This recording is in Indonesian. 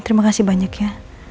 terima kasih banyak ya